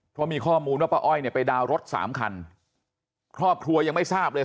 เพราะมีข้อมูลว่าป้าอ้อยเนี่ยไปดาวน์รถสามคันครอบครัวยังไม่ทราบเลย